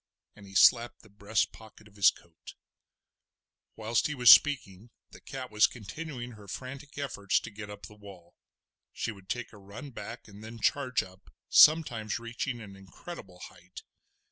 and he slapped the breast pocket of his coat. Whilst he was speaking the cat was continuing her frantic efforts to get up the wall. She would take a run back and then charge up, sometimes reaching an incredible height.